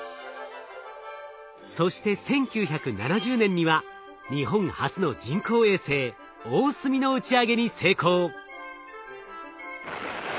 そして１９７０年には日本初の人工衛星「おおすみ」の打ち上げに成功。